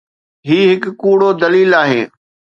هي هڪ ڪوڙو دليل آهي.